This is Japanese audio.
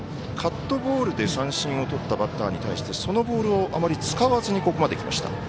カットボールで三振をとったバッターに対してそのボールをあまり使わずにここまできました。